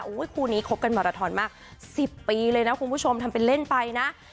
คู่นี้คบกันมาราทอนมาก๑๐ปีเลยนะคุณผู้ชมทำเป็นเล่นไปนะ